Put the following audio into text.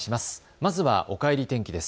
まずはおかえり天気です。